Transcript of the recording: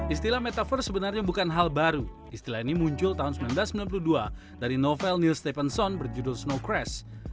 istilah metaver sebenarnya bukan hal baru istilah ini muncul tahun seribu sembilan ratus sembilan puluh dua dari novel nir stephenson berjudul snow crash